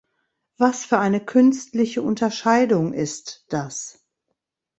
Was für eine künstliche Unterscheidung ist das?